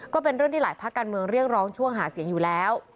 ก็เป็นเรื่องที่หลายภาคการเมืองเรียกร้องช่วงหาเสียงอยู่แล้ว